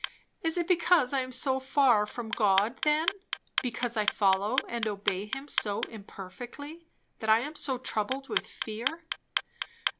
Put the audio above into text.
Is it because I am so far from God, then? because I follow and obey him so imperfectly? that I am so troubled with fear.